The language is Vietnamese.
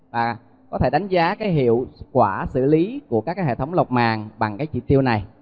và có thể đánh giá cái hiệu quả xử lý của các hệ thống lọc màng bằng cái chỉ tiêu này